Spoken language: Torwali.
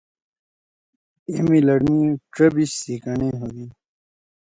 اے مِلٹ می ڇَبیِش سِکنڈے ہودی۔